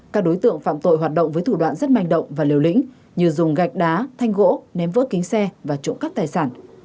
các đối tượng phạm tội hoạt động với thủ đoạn rất manh động và liều lĩnh như dùng gạch đá thanh gỗ ném vỡ kính xe và trộm cắp tài sản